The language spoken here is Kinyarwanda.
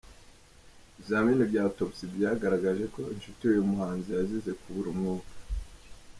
Ibizamini bya ’Autopsy’ byagaragaje ko inshuti y’uyu muhanzi yazize kubura umwuka.